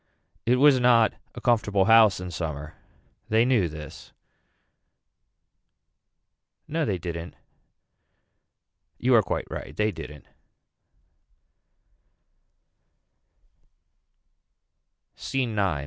It was not a comfortable house in summer. They knew this. No they didn't. You are quite right they didn't. SCENE IX.